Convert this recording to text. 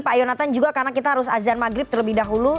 pak yonatan juga karena kita harus azan maghrib terlebih dahulu